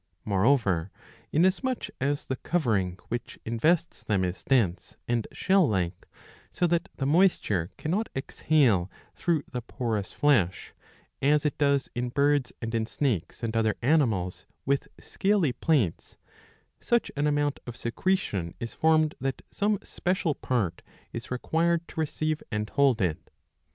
^ Moreover, inasmuch 671a. 8o iii. 8 — ill. 9. as the covering which invests them is dense and shell Hke, so that the moisture cannot exhale through the porous flesh, as it does in birds and in snakes and other animals with scaly plates, such an amount of secretion is formed that some special part is required to receive and hold it.